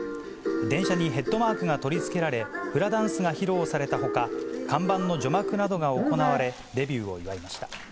電車にヘッドマークが取り付けられ、フラダンスが披露されたほか、看板の序幕などが行われ、デビューを祝いました。